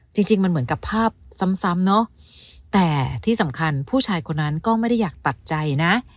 จริงจริงมันเหมือนกับภาพซ้ำเนาะแต่ที่สำคัญผู้ชายคนนั้นก็ไม่ได้อยากตัดใจนะ